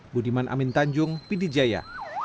budiman amin tanjung pidijaya